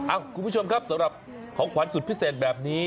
คุณผู้ชมครับสำหรับของขวัญสุดพิเศษแบบนี้